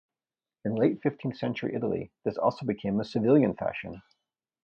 In late fifteenth century Italy this also became a civilian fashion.